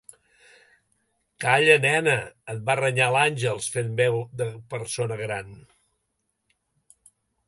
Calla, nena! –et va renyar l'Àngels, fent veu de persona gran.